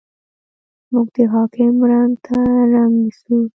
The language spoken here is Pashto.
موږ د حاکم رنګ ته رنګ نیسو.